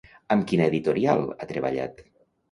Amb quina editorial ha treballat?